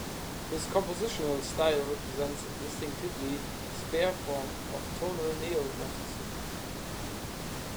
His compositional style represents a distinctively spare form of tonal neo-Romanticism.